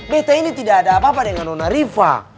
beto ini tidak ada apa apa dengan nona riva